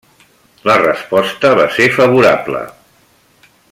La resposta va ser favorable.